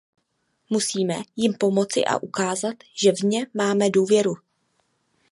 Musíme jim pomoci a ukázat, že v ně máme důvěru.